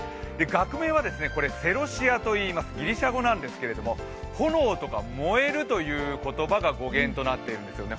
学名はセロシアといいます、ギリシャ語なんですけれども、炎とか燃えるという言葉が語源となっているんですよね。